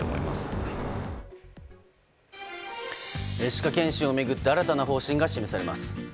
歯科検診を巡って新たな方針が示されます。